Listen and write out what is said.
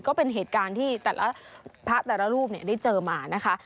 ก็เป็นเหตุการณ์ที่แต่ละพระแต่ละรูปได้เจอมานะคะ